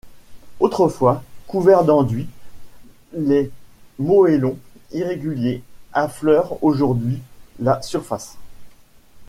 Autrefois couverts d'enduit, les moellons irréguliers affleurent aujourd'hui la surface.